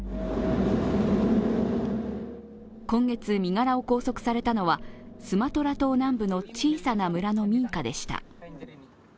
今月、身柄を拘束されたのはスマトラ島南部の小さな村の民家でした。